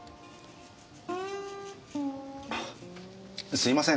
すいません。